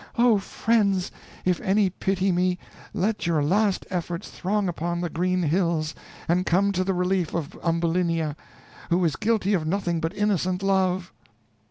Oh, friends! if any pity me, let your last efforts throng upon the green hills, and come to the relief of Ambulinia, who is guilty of nothing but innocent love."